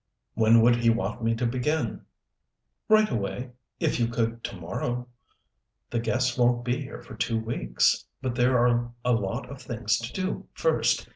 "When would he want me to begin?" "Right away, if you could to morrow. The guests won't be here for two weeks, but there are a lot of things to do first.